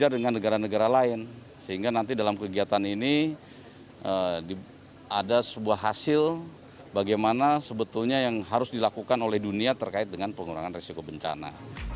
dengan negara negara lain sehingga nanti dalam kegiatan ini ada sebuah hasil bagaimana sebetulnya yang harus dilakukan oleh dunia terkait dengan pengurangan resiko bencana